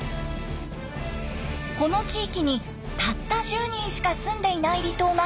この地域にたった１０人しか住んでいない離島があるとの情報が。